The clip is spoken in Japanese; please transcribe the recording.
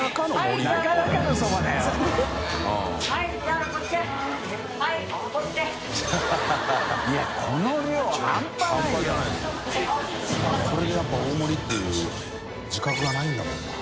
海譴やっぱ大盛りっていう自覚がないんだもんな。